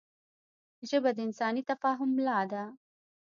ژبه د انساني تفاهم ملا ده